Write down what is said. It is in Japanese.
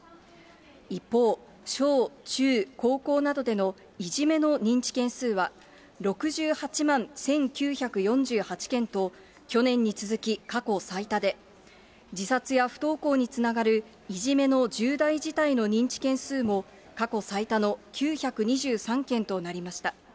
一方、小中高校などでのいじめの認知件数は、６８万１９４８件と、去年に続き過去最多で、自殺や不登校につながるいじめの重大事態の認知件数も過去最多の９２３件となりました。